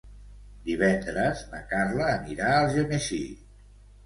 Divendres na Carla anirà a Algemesí.